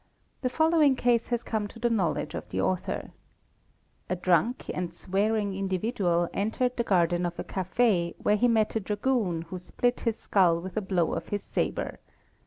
The following case has come to the knowledge of the author. A drunk and swearing individual entered the garden of a _ café where he met a dragoon who split his skull with a blow of his sabre.